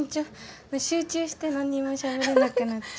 集中して何にもしゃべれなくなっちゃう。